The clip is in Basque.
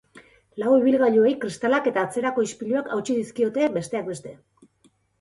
Lau ibilgailuei kristalak eta atzerako ispiluak hautsi dizkiote, besteak beste.